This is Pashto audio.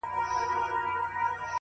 هره ناکامي د نوې هڅې پیغام دی,